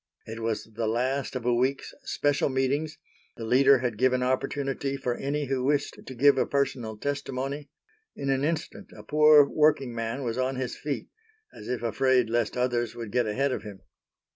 It was the last of a week's special meetings, the leader had given opportunity for any who wished to give a personal testimony; in an instant a poor working man was on his feet, as if afraid lest others would get ahead of him.